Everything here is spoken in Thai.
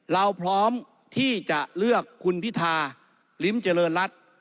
เราพร้อมที่จะเลือกคุณพิธาลิ้มเจริญรัฐ